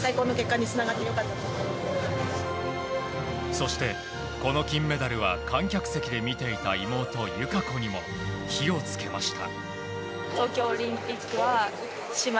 そして、この金メダルは観客席で見ていた妹・友香子にも火を付けました。